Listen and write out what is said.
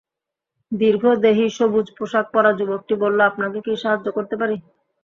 দীর্ঘদেহী সবুজ পোশাক পরা যুবকটি বলল, আপনাকে কি সাহায্য করতে পারি?